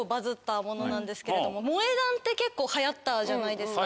「萌え断」って結構流行ったじゃないですか。